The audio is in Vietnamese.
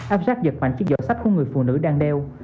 áp sát giật mạnh chiếc giỏ sách của người phụ nữ đang đeo